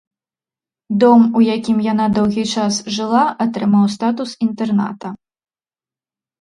Дом, у якім яна доўгі час жыла, атрымаў статус інтэрната.